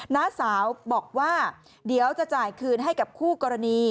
น้าสาวบอกว่าเดี๋ยวจะจ่ายคืนให้กับคู่กรณี